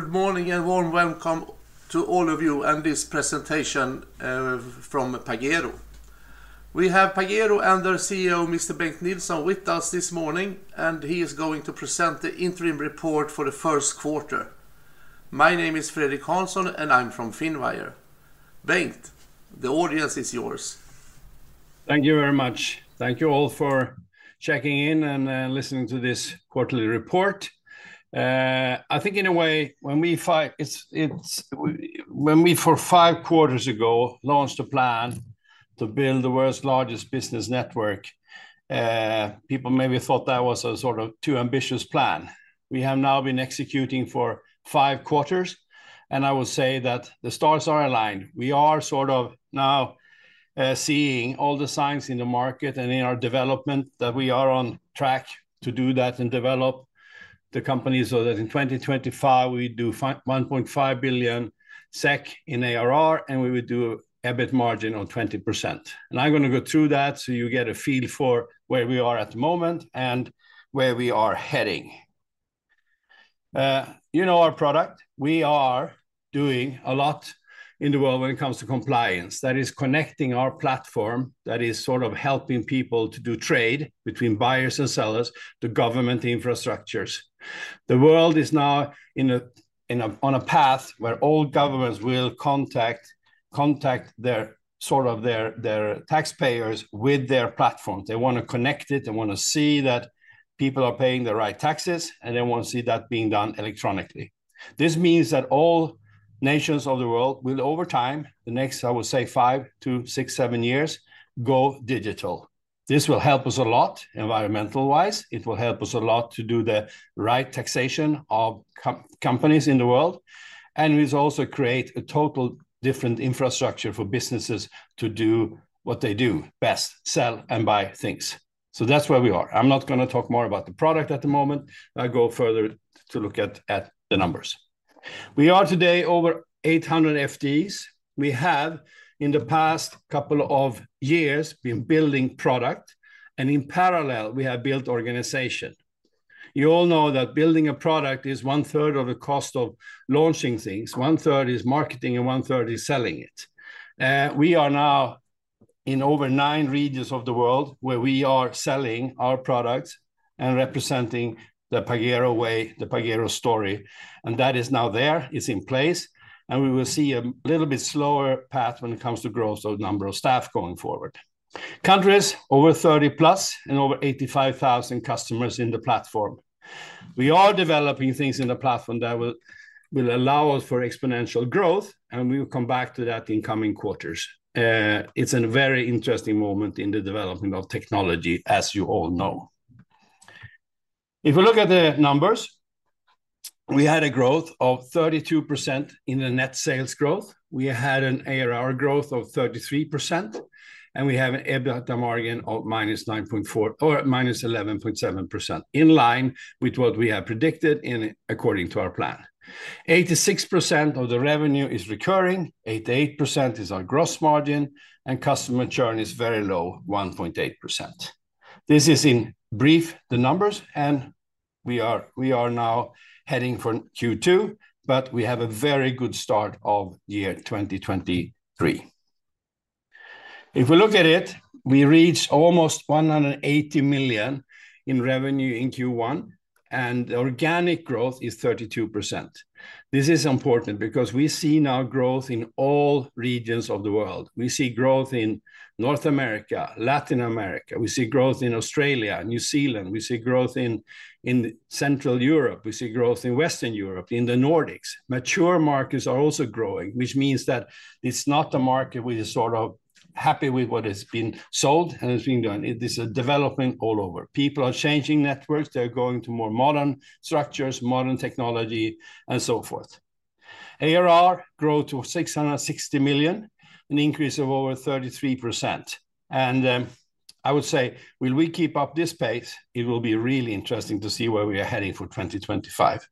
Good morning, warm welcome to all of you and this presentation from Pagero. We have Pagero and their CEO, Mr. Bengt Nilsson, with us this morning. He is going to present the interim report for the first quarter. My name is Fredrik Hansson, and I'm from Finwire. Bengt, the audience is yours. Thank you very much. Thank you all for checking in and listening to this quarterly report. I think in a way, when we, for 5 quarters ago, launched a plan to build the world's largest business network, people maybe thought that was a sort of too ambitious plan. We have now been executing for 5 quarters, and I would say that the stars are aligned. We are sort of now seeing all the signs in the market and in our development that we are on track to do that and develop the company so that in 2025 we do 1.5 billion SEK in ARR, and we would do EBIT margin of 20%. I'm gonna go through that so you get a feel for where we are at the moment and where we are heading. you know our product. We are doing a lot in the world when it comes to compliance. That is connecting our platform, that is sort of helping people to do trade between buyers and sellers to government infrastructures. The world is now on a path where all governments will contact their, sort of their taxpayers with their platforms. They wanna connect it. They wanna see that people are paying the right taxes, and they wanna see that being done electronically. This means that all nations of the world will, over time, the next, I would say, five to six, seven years, go digital. This will help us a lot environmental-wise. It will help us a lot to do the right taxation of companies in the world, and will also create a total different infrastructure for businesses to do what they do best, sell and buy things. That's where we are. I'm not gonna talk more about the product at the moment. I go further to look at the numbers. We are today over 800 FTEs. We have, in the past couple of years, been building product, and in parallel, we have built organization. You all know that building a product is one-third of the cost of launching things. One-third is marketing and one-third is selling it. We are now in over nine regions of the world where we are selling our products and representing the Pagero way, the Pagero story, and that is now there. It's in place. We will see a little bit slower path when it comes to growth of number of staff going forward. Countries, over 30+ and over 85,000 customers in the platform. We are developing things in the platform that will allow us for exponential growth, and we will come back to that in coming quarters. It's a very interesting moment in the development of technology, as you all know. If you look at the numbers, we had a growth of 32% in the net sales growth. We had an ARR growth of 33%, and we have an EBITDA margin of -9.4% or -11.7%, in line with what we have predicted according to our plan. 86% of the revenue is recurring, 88% is our gross margin, and customer churn is very low, 1.8%. This is in brief the numbers, and we are now heading for Q2, but we have a very good start of the year 2023. If we look at it, we reached almost 180 million in revenue in Q1, and organic growth is 32%. This is important because we see now growth in all regions of the world. We see growth in North America, Latin America. We see growth in Australia, New Zealand. We see growth in Central Europe. We see growth in Western Europe, in the Nordics. Mature markets are also growing, which means that it's not a market we're just sort of happy with what has been sold and has been done. It is a development all over. People are changing networks. They're going to more modern structures, modern technology, and so forth. ARR grow to 660 million, an increase of over 33%. I would say, will we keep up this pace? It will be really interesting to see where we are heading for 2025.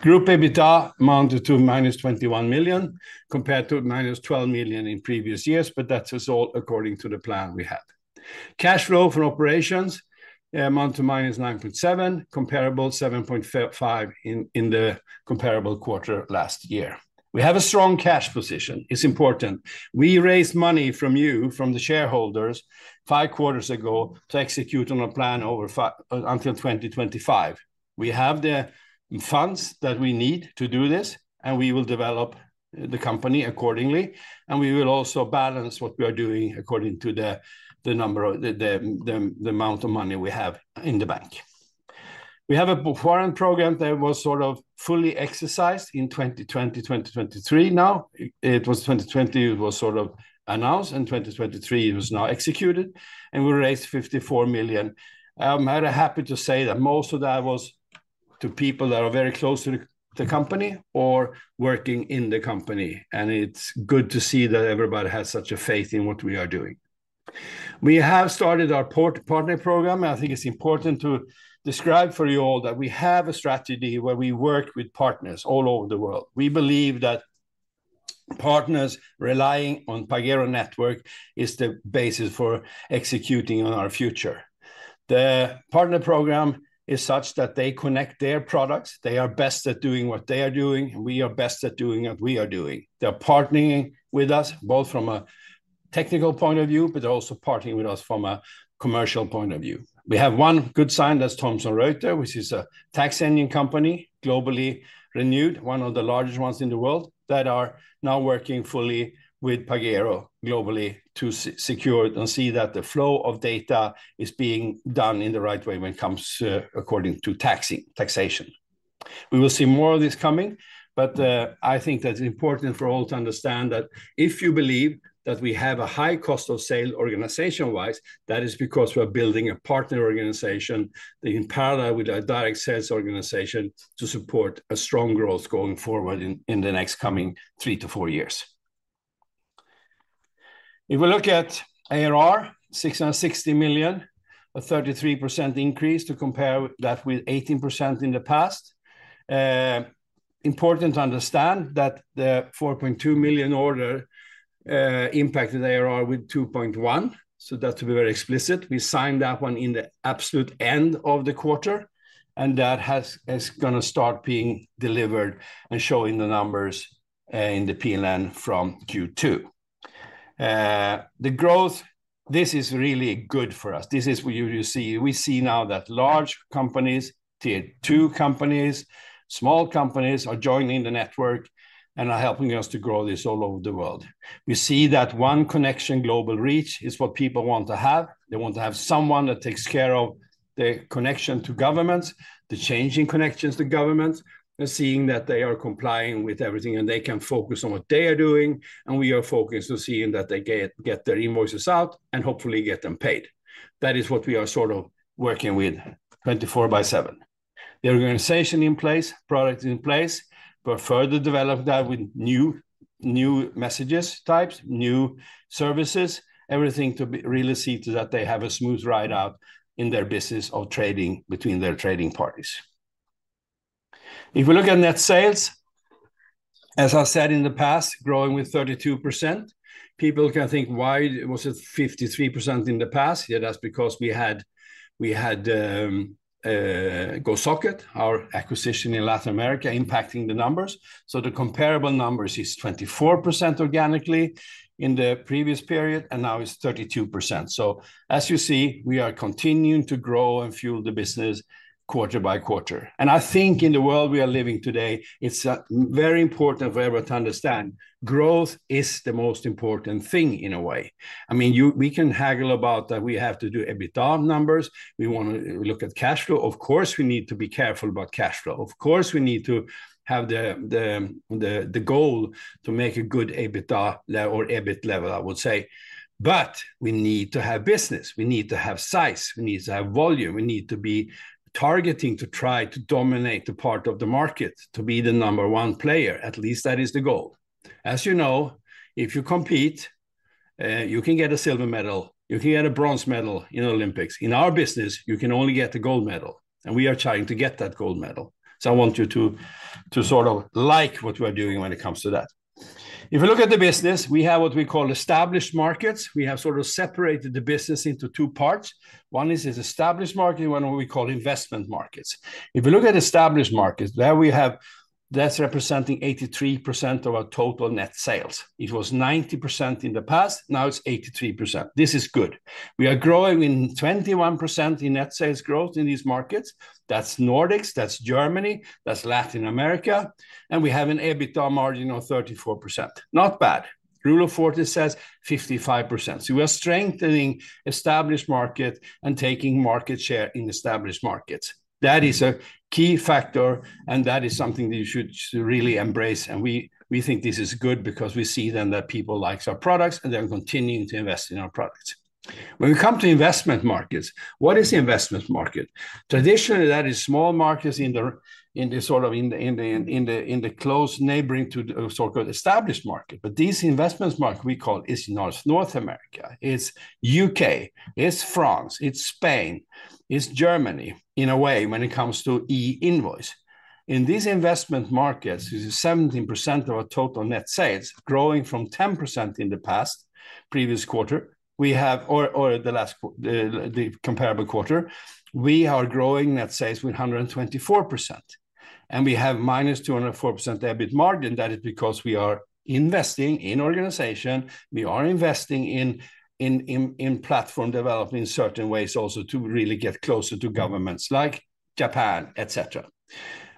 Group EBITDA amounted to -21 million compared to -12 million in previous years. That is all according to the plan we had. Cash flow from operations amount to -9.7, comparable 7.5 in the comparable quarter last year. We have a strong cash position. It's important. We raised money from you, from the shareholders 5 quarters ago to execute on a plan until 2025. We have the funds that we need to do this, and we will develop the company accordingly, and we will also balance what we are doing according to the number of... the amount of money we have in the bank. We have a program that was sort of fully exercised in 2023 now. It was 2020 it was sort of announced, and 2023 it was now executed, and we raised 54 million. I'm very happy to say that most of that was to people that are very close to the company or working in the company. It's good to see that everybody has such a faith in what we are doing. We have started our partner program. I think it's important to describe for you all that we have a strategy where we work with partners all over the world. We believe that partners relying on Pagero Network is the basis for executing on our future. The partner program is such that they connect their products. They are best at doing what they are doing. We are best at doing what we are doing. They're partnering with us both from a technical point of view. They're also partnering with us from a commercial point of view. We have one good sign. That's Thomson Reuters, which is a tax engine company, globally renewed, one of the largest ones in the world, that are now working fully with Pagero globally to secure and see that the flow of data is being done in the right way when it comes according to taxation. We will see more of this coming, but I think that's important for all to understand that if you believe that we have a high cost of sale organization-wise, that is because we are building a partner organization in parallel with a direct sales organization to support a strong growth going forward in the next coming three to four years. If we look at ARR, 660 million, a 33% increase to compare that with 18% in the past. Important to understand that the 4.2 million order impacted ARR with 2.1, so that's to be very explicit. We signed that one in the absolute end of the quarter, and that is gonna start being delivered and showing the numbers in the PNL from Q2. The growth, this is really good for us. This is where we see now that large companies, tier two companies, small companies are joining the network and are helping us to grow this all over the world. We see that one connection, global reach, is what people want to have. They want to have someone that takes care of the connection to governments, the changing connections to governments. They're seeing that they are complying with everything. They can focus on what they are doing. We are focused on seeing that they get their invoices out and hopefully get them paid. That is what we are sort of working with 24 by 7. The organization in place, product in place. Further develop that with new messages types, new services, everything to be really see to that they have a smooth ride out in their business or trading between their trading parties. If we look at net sales, as I said in the past, growing with 32%. People can think, "Why was it 53% in the past?" Yeah, that's because we had Gosocket, our acquisition in Latin America, impacting the numbers. The comparable numbers is 24% organically in the previous period, and now it's 32%. As you see, we are continuing to grow and fuel the business quarter by quarter. I think in the world we are living today, it's very important for everyone to understand growth is the most important thing in a way. I mean, we can haggle about that we have to do EBITDA numbers. We wanna look at cash flow. Of course, we need to be careful about cash flow. Of course, we need to have the goal to make a good EBITDA or EBIT level, I would say. We need to have business. We need to have size. We need to have volume. We need to be targeting to try to dominate the part of the market to be the number one player. At least that is the goal. As you know, if you compete, you can get a silver medal. You can get a bronze medal in Olympics. In our business, you can only get the gold medal, and we are trying to get that gold medal. I want you to sort of like what we are doing when it comes to that. If you look at the business, we have what we call established markets. We have sort of separated the business into two parts. One is this established market, one what we call investment markets. If you look at established markets, there we have. That's representing 83% of our total net sales. It was 90% in the past. Now it's 83%. This is good. We are growing in 21% in net sales growth in these markets. That's Nordics. That's Germany. That's Latin America. We have an EBITDA margin of 34%. Not bad. Rule of 40 says 55%. We are strengthening established market and taking market share in established markets. That is a key factor, and that is something that you should really embrace. We think this is good because we see then that people likes our products, and they are continuing to invest in our products. When we come to investment markets, what is the investment market? Traditionally, that is small markets in the sort of in the close neighboring to the so-called established market. These investments market we call is North America. It's U.K. It's France. It's Spain. It's Germany in a way when it comes to e-invoice. In these investment markets, it is 17% of our total net sales, growing from 10% in the past previous quarter. We have or the last comparable quarter. We are growing net sales with 124%, and we have -204% EBIT margin. That is because we are investing in organization. We are investing in platform development in certain ways also to really get closer to governments like Japan, et cetera.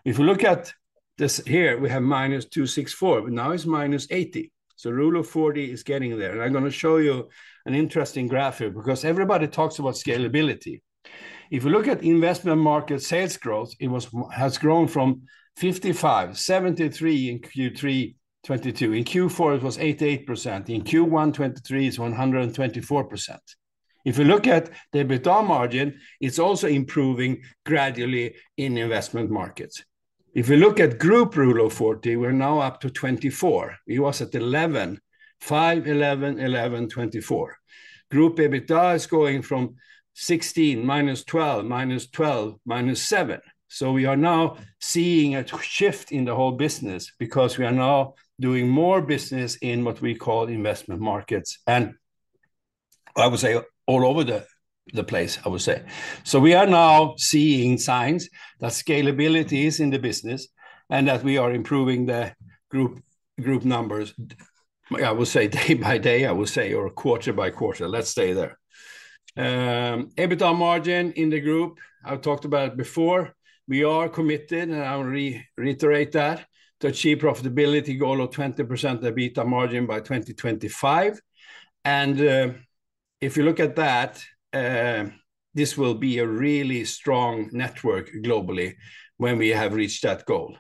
If you look at this here, we have -264%. Now it's -80. Rule of 40 is getting there, and I'm gonna show you an interesting graph here because everybody talks about scalability. If you look at investment market sales growth, it has grown from 55, 73 in Q3 2022. In Q4, it was 88%. In Q1 2023, it's 124%. If you look at the EBITDA margin, it's also improving gradually in investment markets. If you look at group Rule of 40, we're now up to 24. It was at 11. 5, 11, 24. Group EBITDA is going from 16, -12, -12, -7. We are now seeing a shift in the whole business because we are now doing more business in what we call investment markets. I would say all over the place, I would say. We are now seeing signs that scalability is in the business, and that we are improving the group numbers, like I would say day by day, or quarter by quarter. Let's stay there. EBITDA margin in the group, I've talked about it before. We are committed, and I'll reiterate that, to achieve profitability goal of 20% EBITDA margin by 2025. If you look at that, this will be a really strong network globally when we have reached that goal.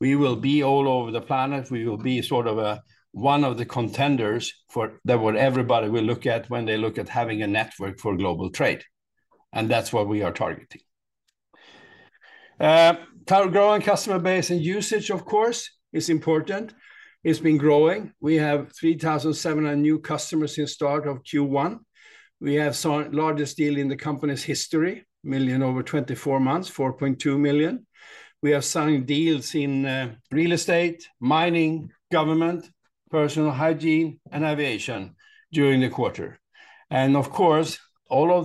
We will be all over the planet. We will be sort of, one of the contenders for... That what everybody will look at when they look at having a network for global trade, and that's what we are targeting. power growing customer base and usage, of course, is important. It's been growing. We have 3,700 new customers since start of Q1. We have signed largest deal in the company's history, million over 24 months, 4.2 million. We are signing deals in real estate, mining, government, personal hygiene, and aviation during the quarter. Of course, all of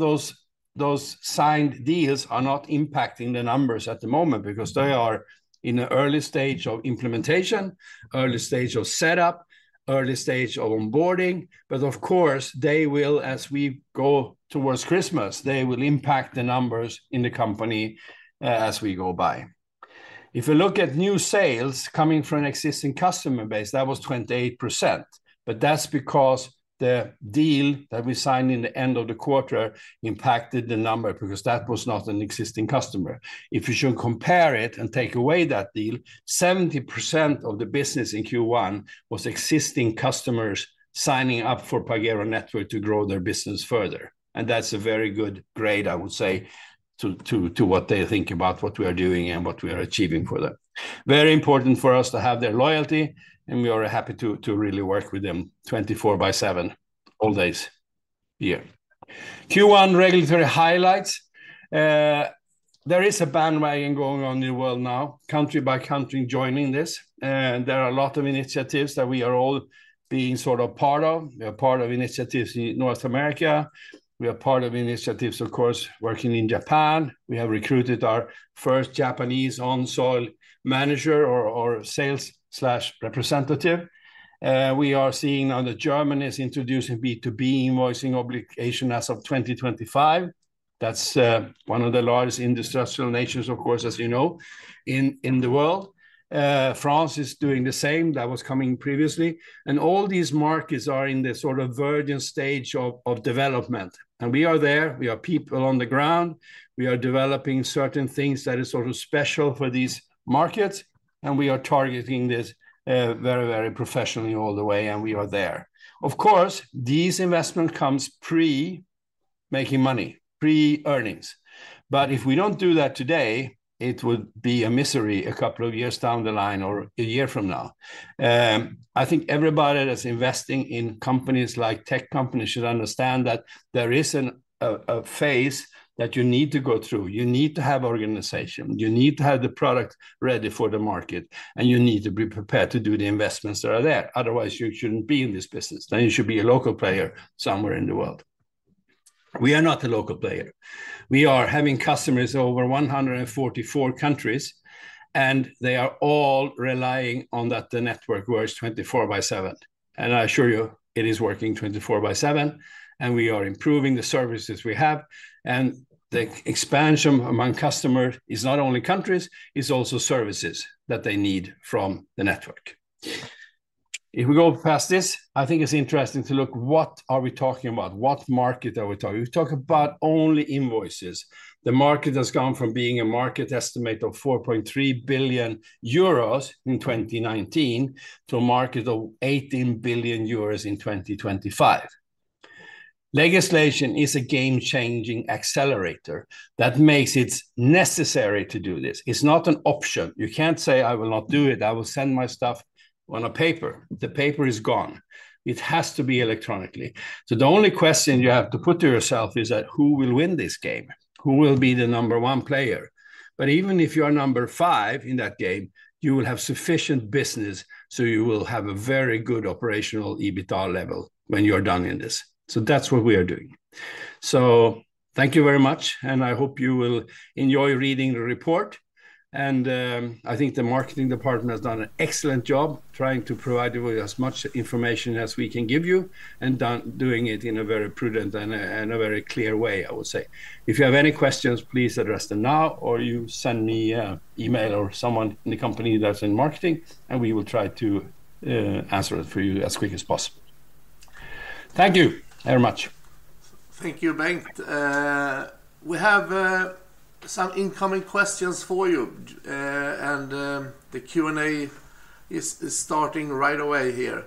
those signed deals are not impacting the numbers at the moment because they are in the early stage of implementation, early stage of setup, early stage of on boarding. Of course, they will, as we go towards Christmas, they will impact the numbers in the company as we go by. If you look at new sales coming from an existing customer base, that was 28%, but that's because the deal that we signed in the end of the quarter impacted the number because that was not an existing customer. If you should compare it and take away that deal, 70% of the business in Q1 was existing customers signing up for Pagero Network to grow their business further. That's a very good grade, I would say, to what they think about what we are doing and what we are achieving for them. Very important for us to have their loyalty, we are happy to really work with them 24/7 all days, yeah. Q1 regulatory highlights. There is a bandwagon going on in the world now, country by country joining this, there are a lot of initiatives that we are all being sort of part of. We are part of initiatives in North America. We are part of initiatives, of course, working in Japan. We have recruited our first Japanese on soil manager or sales/representative. We are seeing now that Germany is introducing B2B invoicing obligation as of 2025. That's one of the largest industrial nations, of course, as you know, in the world. France is doing the same. That was coming previously. All these markets are in the sort of virgin stage of development. We are there. We have people on the ground. We are developing certain things that is sort of special for these markets, and we are targeting this very, very professionally all the way, and we are there. Of course, these investment comes pre making money, pre earnings. If we don't do that today, it would be a misery a couple of years down the line or a year from now. I think everybody that's investing in companies like tech companies should understand that there is a phase that you need to go through. You need to have organization. You need to have the product ready for the market, and you need to be prepared to do the investments that are there. Otherwise, you shouldn't be in this business. You should be a local player somewhere in the world. We are not a local player. We are having customers over 144 countries, and they are all relying on that the network works 24 by 7. I assure you it is working 24 by 7, and we are improving the services we have. The expansion among customers is not only countries, it's also services that they need from the network. If we go past this, I think it's interesting to look what are we talking about? What market are we talking? We talk about only invoices. The market has gone from being a market estimate of 4.3 billion euros in 2019 to a market of 18 billion euros in 2025. Legislation is a game-changing accelerator that makes it necessary to do this. It's not an option. You can't say, "I will not do it. I will send my stuff on a paper." The paper is gone. It has to be electronically. The only question you have to put to yourself is that who will win this game? Who will be the number one player? Even if you are number five in that game, you will have sufficient business, so you will have a very good operational EBITDA level when you're done in this. That's what we are doing. Thank you very much, and I hope you will enjoy reading the report. I think the marketing department has done an excellent job trying to provide you with as much information as we can give you and doing it in a very prudent and a, and a very clear way, I would say. If you have any questions, please address them now or you send me a email or someone in the company that's in marketing, and we will try to answer it for you as quick as possible. Thank you very much. Thank you, Bengt. We have some incoming questions for you. The Q&A is starting right away here.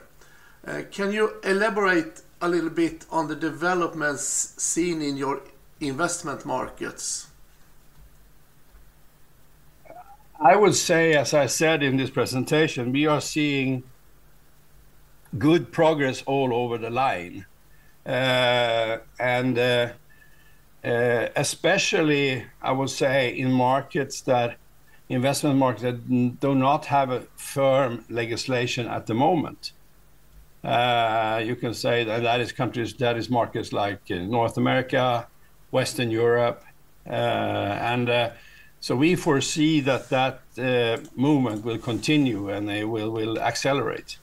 Can you elaborate a little bit on the developments seen in your investment markets? I would say, as I said in this presentation, we are seeing good progress all over the line. Especially, I would say, in markets that investment markets that do not have a firm legislation at the moment. You can say that is countries, that is markets like North America, Western Europe. We foresee that that movement will continue, and they will accelerate.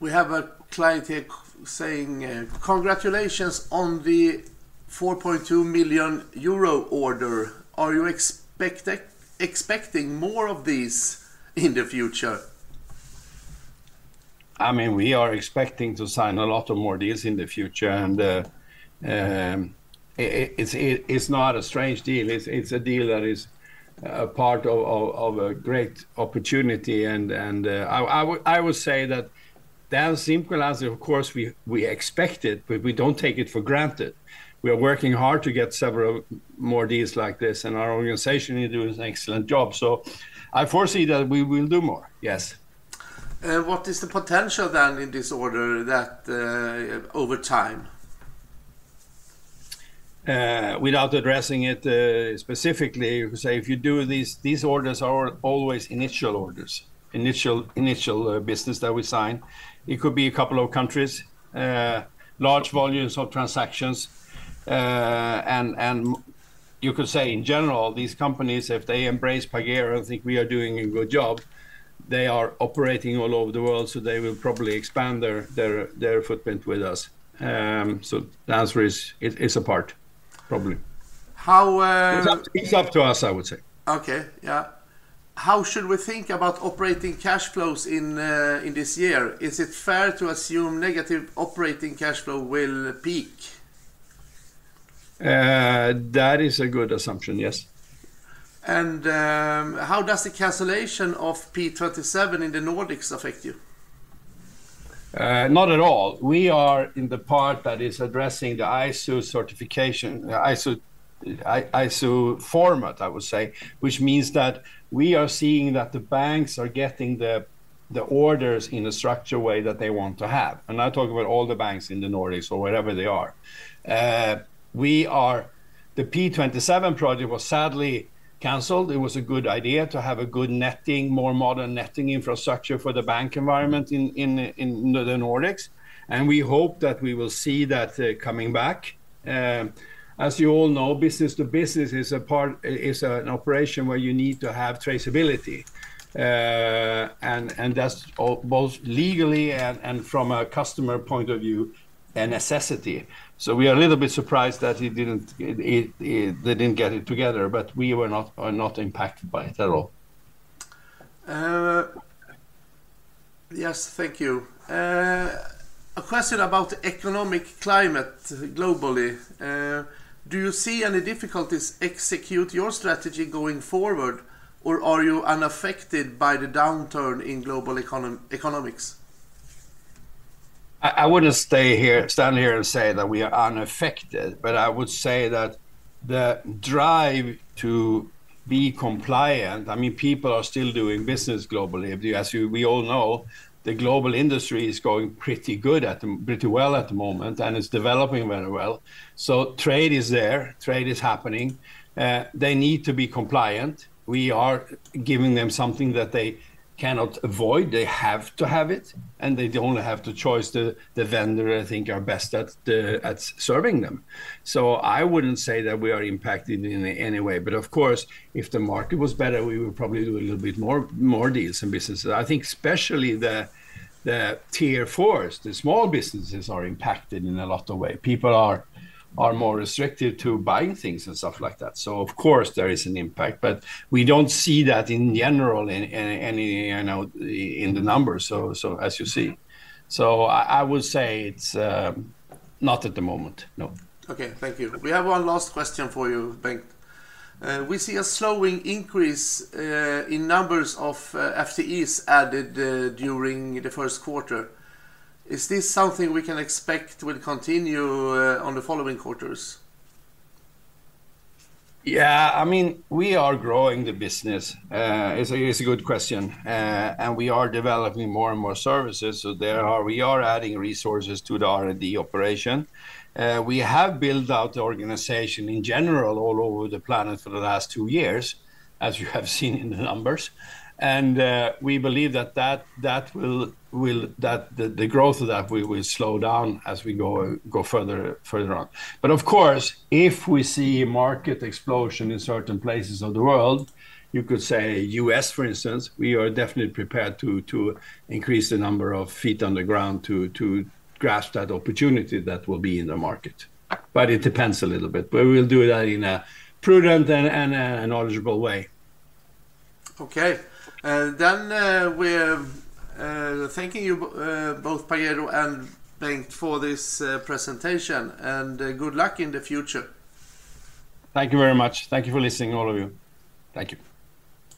We have a client here saying, "Congratulations on the 4.2 million euro order. Are you expecting more of these in the future? I mean, we are expecting to sign a lot of more deals in the future, it's not a strange deal. It's a deal that is part of a great opportunity. I would say that synchronizing, of course, we expect it, but we don't take it for granted. We are working hard to get several more deals like this, and our organization is doing an excellent job. I foresee that we will do more. Yes. What is the potential then in this order that, over time? Without addressing it specifically, we say if you do these orders are always initial orders, initial business that we sign. It could be a couple of countries, large volumes of transactions. You could say in general, these companies, if they embrace Pagero and think we are doing a good job, they are operating all over the world, so they will probably expand their footprint with us. The answer is, it is a part, probably. How? It's up to us, I would say. Okay. Yeah. How should we think about operating cash flows in this year? Is it fair to assume negative operating cash flow will peak? That is a good assumption, yes. How does the cancellation of P27 in the Nordics affect you? Not at all. We are in the part that is addressing the ISO certification, ISO format, I would say, which means that we are seeing that the banks are getting the orders in a structure way that they want to have. I talk about all the banks in the Nordics or wherever they are. The P27 project was sadly canceled. It was a good idea to have a good netting, more modern netting infrastructure for the bank environment in the Nordics. We hope that we will see that coming back. As you all know, business to business is an operation where you need to have traceability. And that's both legally and from a customer point of view, a necessity. We are a little bit surprised that it didn't, they didn't get it together, but we were not, are not impacted by it at all. Yes. Thank you. A question about economic climate globally. Do you see any difficulties execute your strategy going forward, or are you unaffected by the downturn in global economics? I wouldn't stand here and say that we are unaffected, I would say that the drive to be compliant, I mean, people are still doing business globally. As we all know, the global industry is going pretty well at the moment, and it's developing very well. Trade is there, trade is happening. They need to be compliant. We are giving them something that they cannot avoid. They have to have it, and they don't have the choice. The vendor, I think, are best at serving them. I wouldn't say that we are impacted in any way. Of course, if the market was better, we would probably do a little bit more deals and businesses. I think especially the tier 4s, the small businesses are impacted in a lot of way. People are more restricted to buying things and stuff like that. Of course, there is an impact. We don't see that in general in any, you know, in the numbers. As you see. I would say it's not at the moment, no. Okay. Thank you. We have one last question for you, Bengt. We see a slowing increase in numbers of FTEs added during the first quarter. Is this something we can expect will continue on the following quarters? Yeah. I mean, we are growing the business. It's a, it's a good question. We are developing more and more services, so we are adding resources to the R&D operation. We have built out the organization in general all over the planet for the last two years, as you have seen in the numbers. We believe that the growth of that will slow down as we go further on. Of course, if we see market explosion in certain places of the world, you could say U.S., for instance, we are definitely prepared to increase the number of feet on the ground to grasp that opportunity that will be in the market. It depends a little bit. We will do that in a prudent and a knowledgeable way. Okay. We're thanking you, both Pagero and Bengt for this presentation and good luck in the future. Thank you very much. Thank you for listening, all of you. Thank you.